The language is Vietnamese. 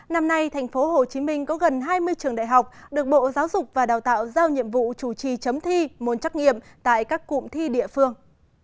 năm nay tp hcm có gần hai mươi trường đại học được bộ giáo dục và đào tạo giao nhiệm vụ chủ trì chấm thi môn trắc nghiệm tại các cụm thi địa phương